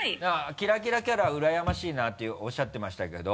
キラキラキャラうらやましいなておっしゃってましたけど。